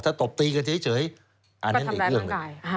แต่ตบตีกันเฉยอันนั้นอีกเรื่อง